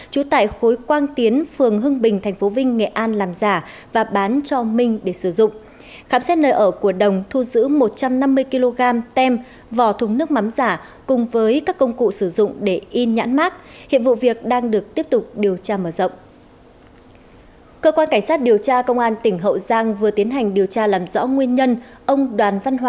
trú tại khối một mươi một phường đội cung tp vinh đang vận chuyển để tiêu thụ ba trăm sáu mươi chai nước mắm giả nhãn hiệu chinsu nam ngư loại chai nước mắm giả nhãn hiệu chinsu nam ngư